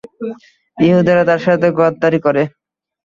ইহুদীরা তার সাথেও গাদ্দারী করে।